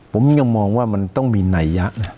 ผมยังมองว่ามันต้องมีนัยยะนะ